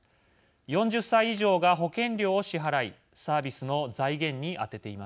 ４０歳以上が保険料を支払いサービスの財源に充てています。